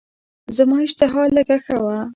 زما اشتها لږه ښه وه.